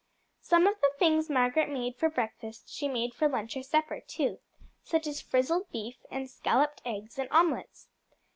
Some of the things Margaret made for breakfast she made for lunch or supper, too, such as frizzled beef, and scalloped eggs and omelettes.